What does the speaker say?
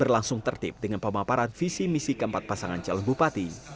berlangsung tertib dengan pemaparan visi misi keempat pasangan calon bupati